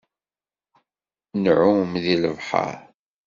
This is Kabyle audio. Nεumm deg lebḥer.